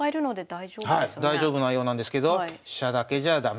大丈夫なようなんですけど飛車だけじゃ駄目。